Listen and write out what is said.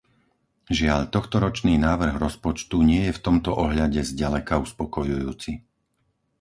Žiaľ, tohtoročný návrh rozpočtu nie je v tomto ohľade zďaleka uspokojujúci.